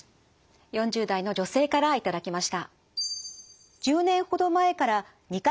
４０代の女性から頂きました。